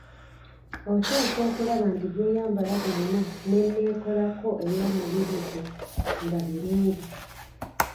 Oteekwa okulaba nti byoyambala byonna nenneekolako eyomubiri gwo nga birungi.